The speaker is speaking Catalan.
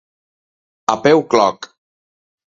A peu cloc.